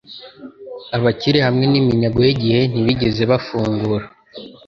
Abakire hamwe n'iminyago yigihe, ntibigeze bafungura;